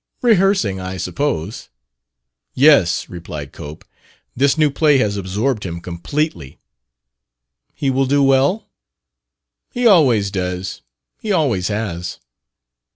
"Rehearsing, I suppose?" "Yes," replied Cope. "This new play has absorbed him completely." "He will do well?" "He always does. He always has."